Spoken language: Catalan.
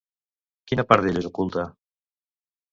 Quina part d'ell és oculta?